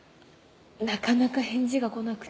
なかなか返事が来なくて。